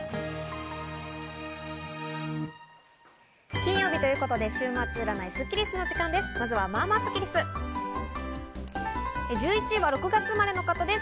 金曜日ということで週末占いスッキりすの時間です。